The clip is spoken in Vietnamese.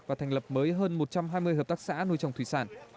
và thành lập mới hơn một trăm hai mươi hợp tác xã nuôi trồng thủy sản